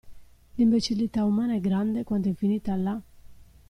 L'imbecillità umana è grande quanto è infinita la.